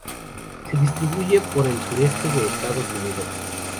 Se distribuye por el sureste de Estados Unidos.